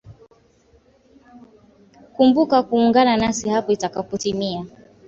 kumbuka kuungana nasi hapo itakapotimia